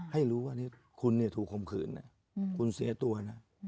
ให้รู้ว่านี่คุณเนี่ยถูกคมขืนนะคุณเสียตัวนะ